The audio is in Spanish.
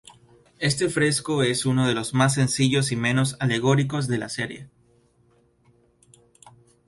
Este fresco es uno de los más sencillos y menos alegóricos de la serie.